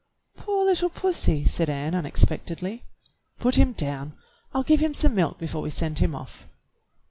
"Poor httle pussy," said Ann unexpectedly. "Put him down. I'll give him some milk before we send him off."